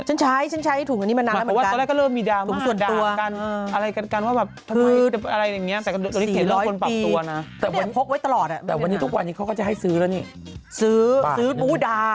ฉันใช้ฉันใช้ถุงอันนี้มานานแล้วเหมือนกัน